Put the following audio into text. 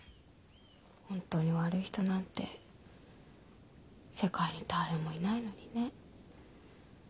ホントに悪い人なんて世界に誰もいないのにね。